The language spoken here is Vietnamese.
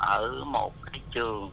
ở một cái trường